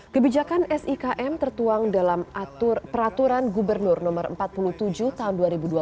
kebijakan sikm tertuang dalam peraturan gubernur no empat puluh tujuh tahun dua ribu dua puluh